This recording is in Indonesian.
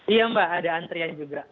iya mbak ada antrian juga